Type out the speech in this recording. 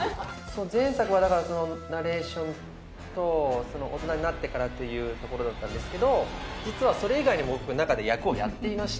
前作はだからそのナレーションと大人になってからというところだったんですけど実はそれ以外にも僕中で役をやっていまして。